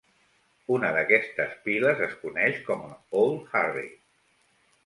Una d'aquestes piles es coneix com a Old Harry.